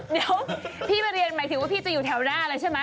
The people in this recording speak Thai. เดี๋ยวพี่ไปเรียนหมายถึงว่าพี่จะอยู่แถวหน้าเลยใช่ไหม